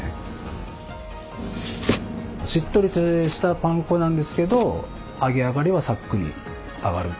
しっとりとしたパン粉なんですけど揚げ上がりはサックリ揚がる。